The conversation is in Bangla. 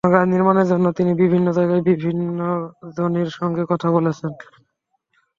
হিমাগার নির্মাণের জন্য তিনি বিভিন্ন জায়গায় বিভিন্ন জনের সঙ্গে কথা বলেছেন।